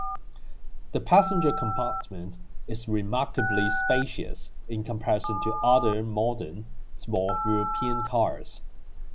The passenger compartment "is remarkably spacious" in comparison to other modern, small European cars.